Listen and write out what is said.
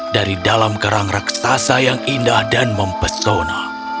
dari dalam kerang raksasa yang indah dan mempesona